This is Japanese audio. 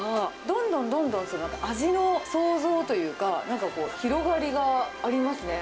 どんどんどんどん、味の想像というか、なんかこう、広がりがありますね。